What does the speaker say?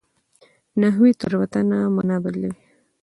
نحوي تېروتنه مانا بدلوي.